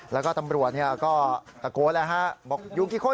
แล้วก็ตำรวจก็ตะโกนแล้วฮะบอกอยู่กี่คน